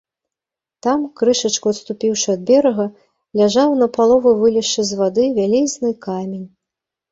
Там, крышачку адступіўшы ад берага, ляжаў, напалову вылезшы з вады, вялізны камень.